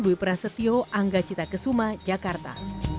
baca cita kesuma jakarta